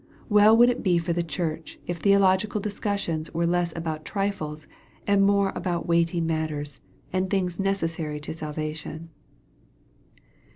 Well would it be for the church if theological discus sions were less about trifles, and more about weighty matters, and things necessary to salvation.